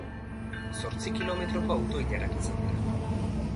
Zortzi kilometroko auto-ilarak izan dira.